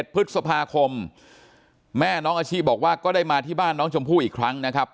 พฤษภาคมแม่น้องอาชีพบอกว่าก็ได้มาที่บ้านน้องชมพู่อีกครั้งนะครับ